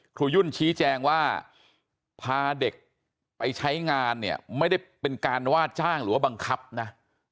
ยุ่นชี้แจงว่าพาเด็กไปใช้งานเนี่ยไม่ได้เป็นการว่าจ้างหรือว่าบังคับนะ